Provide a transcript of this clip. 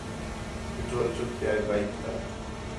پیٹرول چُک پِیا ہِے بائیک تا